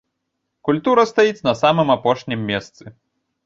Культура стаіць на самым апошнім месцы!